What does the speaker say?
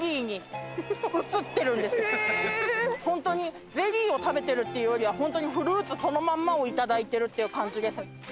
本当にゼリーを食べてるっていうよりは本当にフルーツそのまんまをいただいてるっていう感じです。